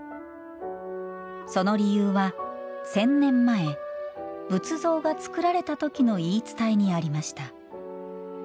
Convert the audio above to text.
その理由は、１０００年前仏像が造られた時の言い伝えにありました。